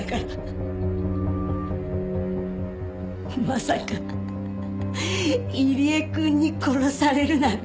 まさか入江くんに殺されるなんてね。